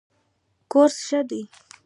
کورس ښه دی.